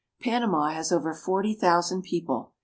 Panama has over forty thousand people.